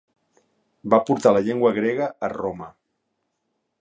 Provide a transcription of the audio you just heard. Va portar la llengua grega a Roma.